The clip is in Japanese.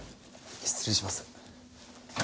失礼します。